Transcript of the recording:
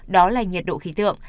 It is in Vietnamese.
đó là nhiệt độ khí tượng